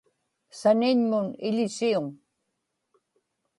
saniñmun iḷisiuŋ